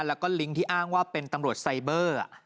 แล้วก็ลิงก์ที่อ้างว่าเป็นตำรวจไซเบอร์